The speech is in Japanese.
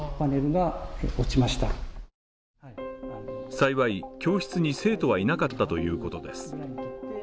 幸い、教室に生徒はいなかったということです。